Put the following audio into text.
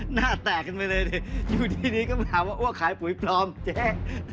หน้าแตกไปเลยเดี๋ยวทีนี้ก็ถามว่าอ้วกขายปุ๋ยปลอมเจ๊